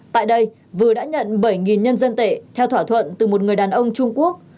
tại đây vừa đã nhận bảy nhân dân tệ theo thỏa thuận từ một người đàn ông trung quốc